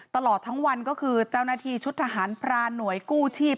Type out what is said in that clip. ตลอดทั้งวันก็คือเจ้าหน้าที่ชุดทหารพรานหน่วยกู้ชีพ